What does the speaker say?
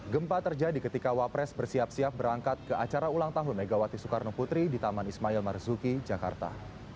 gempa terjadi ketika wapres bersiap siap berangkat ke acara ulang tahun megawati soekarno putri di taman ismail marzuki jakarta